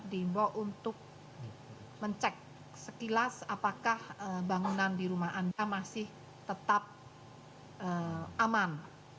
diimbau untuk mencek sekilas apakah bangunan di rumah anda masih tetap aman